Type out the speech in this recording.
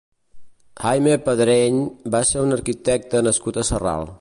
Jaime Pedreny va ser un arquitecte nascut a Sarral.